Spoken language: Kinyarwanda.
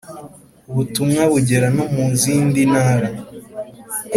Ubutumwa bugera no mu zindi ntara